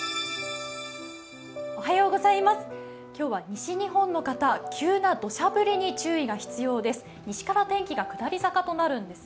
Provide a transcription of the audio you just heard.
今日は西日本の方、急などしゃ降りに注意が必要です。